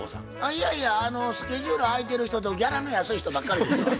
いやいやスケジュール空いてる人とギャラの安い人ばっかりですわ。